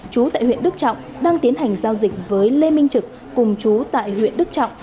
chú tại huyện đức trọng đang tiến hành giao dịch với lê minh trực cùng chú tại huyện đức trọng